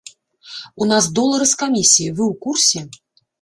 У нас долары з камісіяй, вы ў курсе?